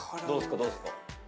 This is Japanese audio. どうっすか？